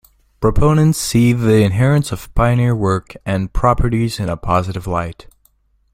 Proponents see the inheritance of Pioneer work and properties in a positive light.